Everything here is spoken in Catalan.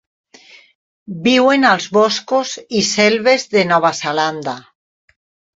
Viuen als boscos i selves de Nova Zelanda.